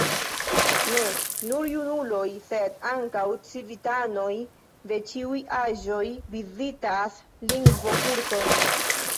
Ne nur junuloj, sed ankaŭ civitanoj de ĉiuj aĝoj vizitas lingvokursojn.